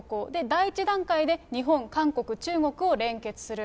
第１段階で日本、韓国、中国を連結する。